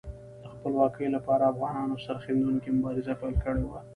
د خپلواکۍ لپاره افغانانو سرښندونکې مبارزه پیل کړې وه.